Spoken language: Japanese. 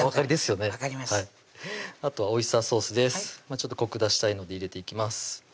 ちょっとこく出したいので入れていきます